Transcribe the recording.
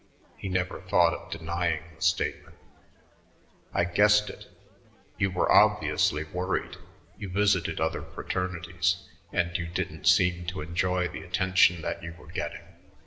He never thought of denying the statement. "I guessed it. You were obviously worried; you visited other fraternities; and you didn't seem to enjoy the attention that you were getting.